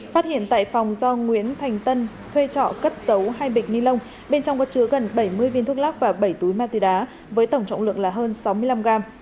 phát hiện tại phòng do nguyễn thành tân thuê trọ cất dấu hai bịch ni lông bên trong có chứa gần bảy mươi viên thuốc lắc và bảy túi ma túy đá với tổng trọng lượng là hơn sáu mươi năm g